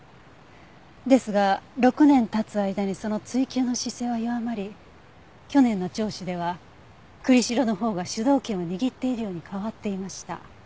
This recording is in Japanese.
ですが６年経つ間にその追及の姿勢は弱まり去年の聴取では栗城のほうが主導権を握っているように変わっていました。